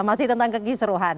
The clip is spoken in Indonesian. masih tentang kekiseruhan